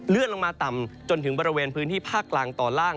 ลงมาต่ำจนถึงบริเวณพื้นที่ภาคกลางตอนล่าง